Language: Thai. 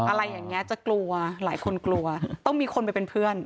อะไรอย่างนี้จะกลัวหลายคนกลัวต้องมีคนไปเป็นเพื่อน